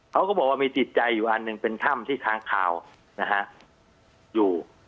เขาก็บอกว่ามีจิตใจอยู่อันหนึ่งเป็นถ้ำที่ค้างคาวนะฮะอยู่